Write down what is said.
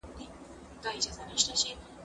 که وخت وي، جواب ورکوم،